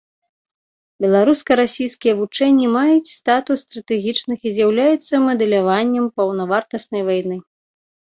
Беларуска-расійскія вучэнні маюць статус стратэгічных і з'яўляюцца мадэляваннем паўнавартаснай вайны.